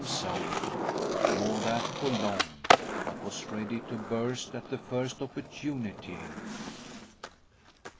himself, nor that for long, but was ready to burst at the first opportunity.